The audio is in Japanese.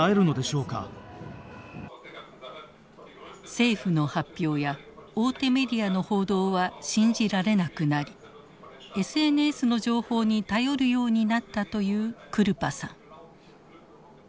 政府の発表や大手メディアの報道は信じられなくなりＳＮＳの情報に頼るようになったというクルパさん。